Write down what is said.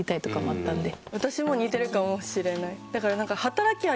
私も似てるかもしれない。